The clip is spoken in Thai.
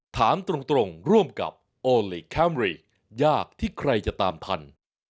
ถามตรงร่วมกับโอลี่คัมรี่ยากที่ใครจะตามทัน